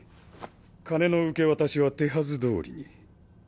金の受け渡しは手はずどおりに。